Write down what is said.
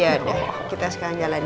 yaudah kita sekarang jalanin